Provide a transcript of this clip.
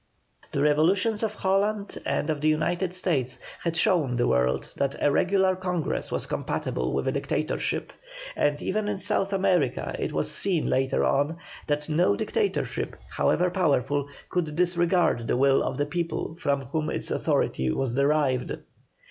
The revolutions of Holland and the United States had shown the world that a regulating Congress was compatible with a dictatorship; and even in South America it was seen later on that no dictatorship, however powerful, could disregard the will of the people from whom its authority was derived.